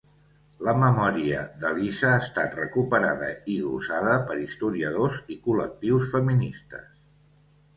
La memòria d'Elisa ha estat recuperada i glossada per historiadors i col·lectius feministes.